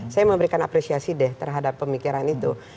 saya memberikan apresiasi deh terhadap pemikiran itu